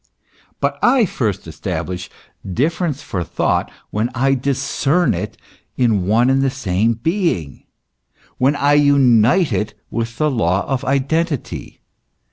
But I first establish difference for thought when I discern it in one and the same being, when I unite it with the law of identity.